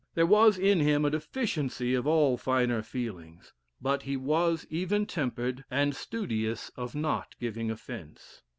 There was in him a deficiency of all finer feelings. But he was even tempered, and studious of not giving offence."